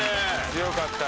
強かった。